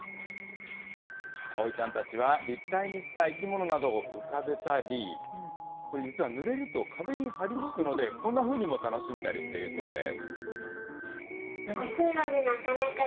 葵ちゃんたちは立体にした生き物などを浮かべたり、これ実は、ぬれると壁に貼り付くので、こんなふうに楽しんだりしているそうです。